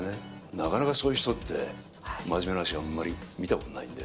なかなかそういう人って、まじめな話、あんまり見たことないんで。